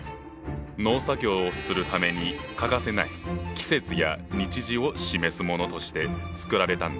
農作業をするために欠かせない季節や日時を示すものとして作られたんだ。